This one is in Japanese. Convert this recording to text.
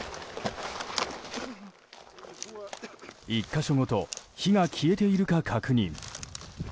１か所ごと火が消えているか確認。